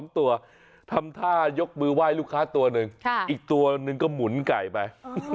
๓ตัวทำท่ายกมือไหว้ลูกค้าตัวหนึ่งอีกตัวหนึ่งก็หมุนไก่ไป